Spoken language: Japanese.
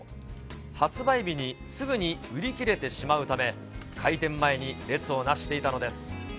発売日にすぐに売り切れてしまうため、開店前に列をなしていたのです。